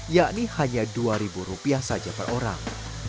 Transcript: yakni hanya dua ribu rupiah saja per orang